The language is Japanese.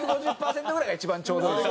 ２５０％ぐらいが一番ちょうどいい。